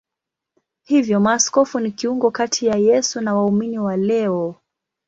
Hivyo maaskofu ni kiungo kati ya Yesu na waumini wa leo.